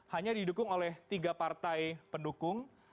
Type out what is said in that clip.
hanya didukung oleh tiga partai pendukung